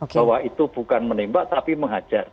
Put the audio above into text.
bahwa itu bukan menembak tapi menghajar